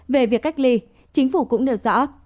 về việc cách ly chính phủ cũng đều rõ